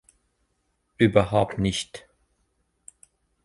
Überhaupt nicht.